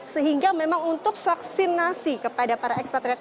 sehingga memang untuk vaksinasi kepada para ekspatriat